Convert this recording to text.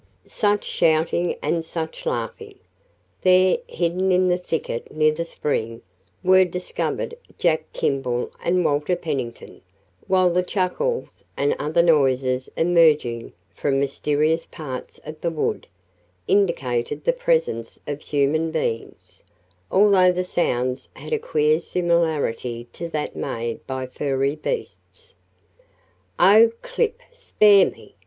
Such shouting and such laughing! There, hidden in the thicket near the spring, were discovered Jack Kimball and Walter Pennington, while the chuckles and other noises emerging from mysterious parts of the wood indicated the presence of human beings, although the sounds had a queer similarity to that made by furry beasts. "Oh, Clip! Spare me!"